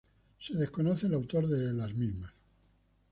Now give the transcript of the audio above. Se desconoce el autor de ellas.